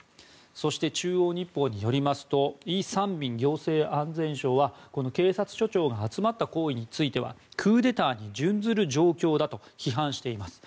そして、中央日報によりますとイ・サンミン行政安全相は警察署長が集まった行為はクーデターに準ずる状況だと批判しています。